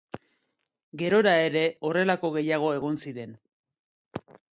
Gerora ere, horrelako gehiago egon ziren.